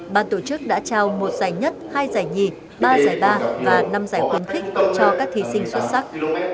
ban tổ chức đã trao một giải nhất hai giải nhì ba giải ba và năm giải khuyến khích cho các thí sinh xuất sắc